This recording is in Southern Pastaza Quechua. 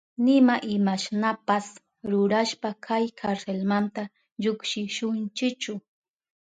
Nima imashnapas rurashpa kay karselmanta llukshishunchichu.